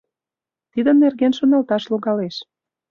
Тидын нерген шоналташ логалеш.